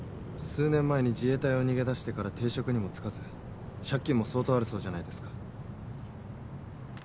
数年前に自衛隊を逃げ出してから定職にも就かず借金も相当あるそうじゃないですか。